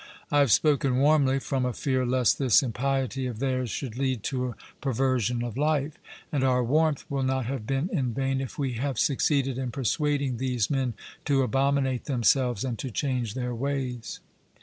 I have spoken warmly, from a fear lest this impiety of theirs should lead to a perversion of life. And our warmth will not have been in vain, if we have succeeded in persuading these men to abominate themselves, and to change their ways.